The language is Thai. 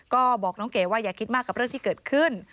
ก็บอกน้องเก๋ว่าอย่าคิดมากกับเรื่องที่เกิดขึ้น